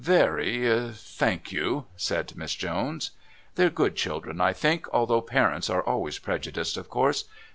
"Very, thank you," said Miss Jones. "They're good children, I think, although parents are always prejudiced, of course.